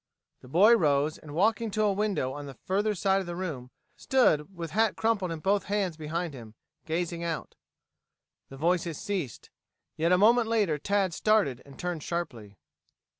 The boy rose and walking to a window on the further side of the room, stood with hat crumpled in both hands behind him, gazing out. The voices ceased. Yet a moment later Tad started and turned sharply.